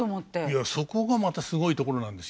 いやそこがまたすごいところなんですよ。